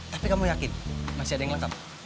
tapi kamu yakin masih ada yang lengkap